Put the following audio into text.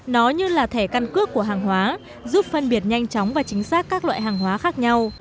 nó như là thẻ căn cước của hàng hóa giúp phân biệt nhanh chóng và chính xác các loại hàng hóa khác nhau